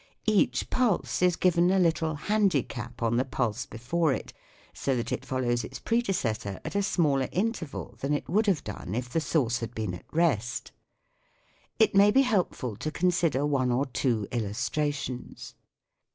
Each pulse is given a little handicap on the pulse before it, so that it follows its predecessor at a smaller interval than it would have done if the source had been at rest. It may be helpful to consider one or two illustrations.